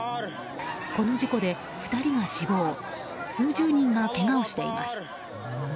この事故で２人が死亡数十人がけがをしています。